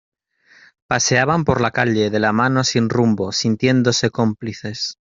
Paseaban por la calle de la mano sin rumbo, sintiéndose cómplices